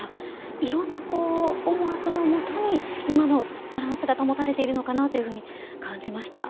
いろんな思惑のもとに、今のバランスが保たれているのかなというふうに感じました。